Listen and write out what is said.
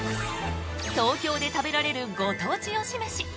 東京で食べられる「ご当地推しメシ」。